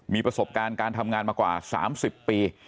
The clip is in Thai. มีประสบการณ์การทำงานมากว่า๓๐ปี